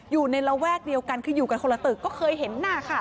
อยู่ในระแวกเดียวกันคืออยู่กันคนละตึกก็เคยเห็นหน้าค่ะ